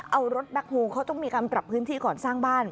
เอารถแบ็คโฮลเขาต้องมีการปรับพื้นที่ก่อนสร้างบ้าน